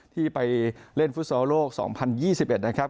ที่ไปเล่นฟุตซอลโลก๒๐๒๑นะครับ